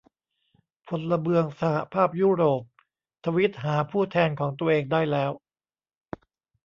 พลเมืองสหภาพยุโรป ทวีตหาผู้แทนของตัวเองได้แล้ว